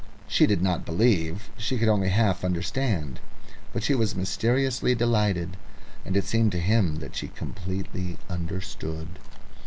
She did not believe, she could only half understand, but she was mysteriously delighted, and it seemed to him that she completely understood.